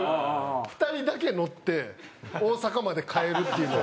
２人だけ乗って大阪まで帰るっていうのを。